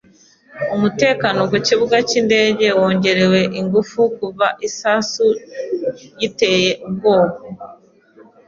Umutekano ku kibuga cy’indege wongerewe ingufu kuva igisasu giteye ubwoba.